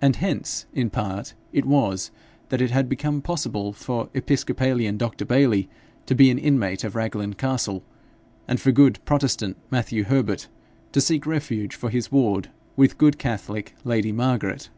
And hence, in part, it was that it had become possible for episcopalian Dr. Bayly to be an inmate of Raglan Castle, and for good, protestant Matthew Herbert to seek refuge for his ward with good catholic lady Margaret.